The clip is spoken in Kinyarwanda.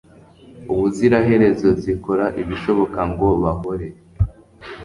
ubuziraherezo zikora ibishoboka ngo bahore